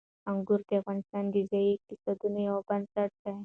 انګور د افغانستان د ځایي اقتصادونو یو بنسټ دی.